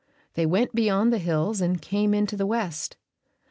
They went beyond the hills and came into the West.